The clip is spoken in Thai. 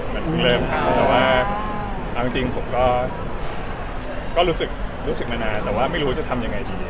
แต่ว่าจริงผมก็รู้สึกมานานแต่ไม่รู้จะทำยังไงดี